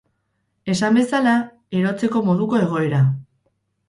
Esan bezala, erotzeko moduko egoera.